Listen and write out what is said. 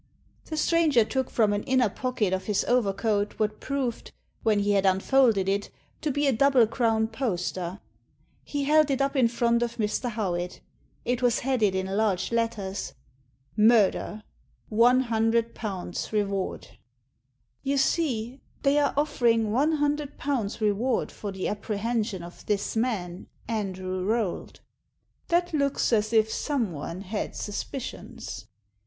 The stranger took from an inner pocket of his overcoat what proved, when he had unfolded it, to be a double crown poster. He held it up in front of Mr. Howitt It was headed in large letters, "MURDER I ;fioo REWARD." Digitized by VjOOQIC 6 THE SEEN AND THE UNSEEN •*You see, they are offering ;fioo reward for the apprehension of this man, Andrew Rolt That looks as if someone had suspicions.